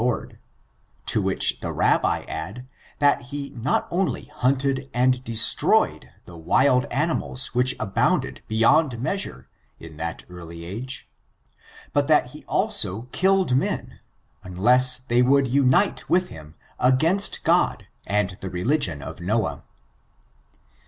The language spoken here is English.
387 Lord; to which the Rabbi add, tliat he not only hunted and destroyed the wild animals which abound ed beyond measure in that early age, but that he also killed men, unless they would unite with him against God and the religion of Noah.